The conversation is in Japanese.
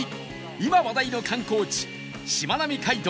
今話題の観光地しまなみ街道